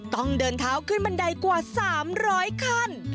ต้องเดินเท้าขึ้นบันไดกว่า๓๐๐คัน